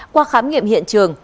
qua khám nghiệm hiện trường